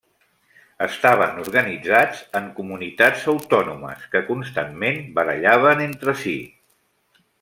Estaven organitzats en comunitats autònomes que constantment barallaven entre si.